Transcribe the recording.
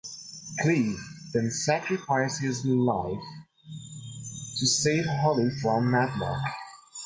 Cleve then sacrifices his own life to save Holly from Madlock.